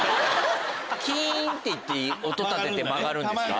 「キーン」って音立てて曲がるんですか。